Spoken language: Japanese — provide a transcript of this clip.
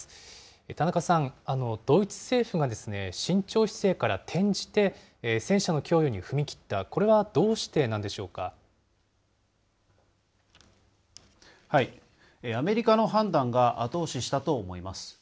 田中さん、ドイツ政府が慎重姿勢から転じて、戦車の供与に踏み切った、これはアメリカの判断が後押ししたと思います。